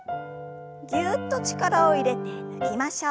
ぎゅっと力を入れて抜きましょう。